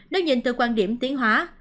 nếu nhìn từ quan điểm tiến hóa